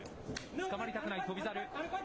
つかまりたくない翔猿。